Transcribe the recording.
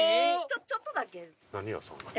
ちょっとだけ。